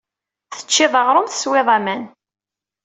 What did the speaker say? Teččiḍ aɣrum, teswiḍ aman.